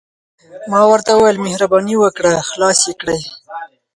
ما ورته وویل: مهرباني وکړه، خلاص يې کړئ.